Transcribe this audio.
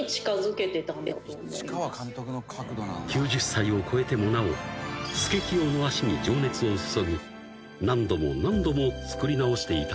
［９０歳を超えてもなおスケキヨの足に情熱を注ぎ何度も何度も作り直していたという］